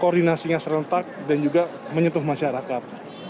koordinasinya serentak dan juga menyentuh masyarakat